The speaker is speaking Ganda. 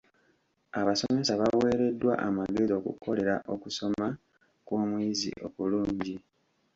Abasomesa baweereddwa amagezi okukolerera okusoma kw'omuyizi okulungi.